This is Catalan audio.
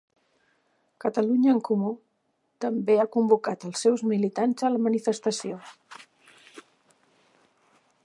Catalunya en Comú també ha convocat els seus militants a la manifestació